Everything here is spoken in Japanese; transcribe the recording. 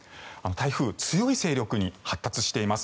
台風、強い勢力に発達しています。